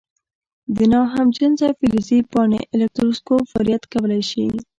ناهمجنسه فلزي پاڼې الکتروسکوپ فعالیت کولی شي؟